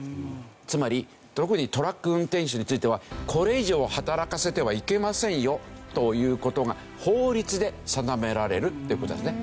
つまり特にトラック運転手についてはこれ以上働かせてはいけませんよという事が法律で定められるという事なんですね。